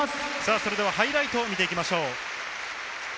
それではハイライトを見ていきましょう。